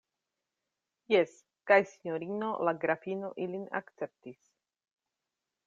Jes, kaj sinjorino la grafino ilin akceptis.